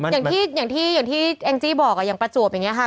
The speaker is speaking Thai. อย่างที่อย่างที่แองจี้บอกอย่างประจวบอย่างนี้ค่ะ